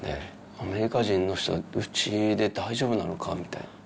アメリカ人の人、うちに入れて大丈夫なのかみたいな。